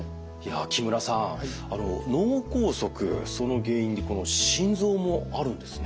木村さん脳梗塞その原因に心臓もあるんですね。